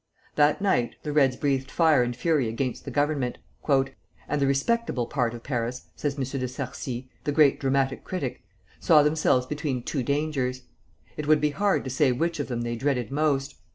That night the Reds breathed fire and fury against the Government, "and the respectable part of Paris," says M. de Sarcey, the great dramatic critic, "saw themselves between two dangers. It would be hard to say which of them they dreaded most.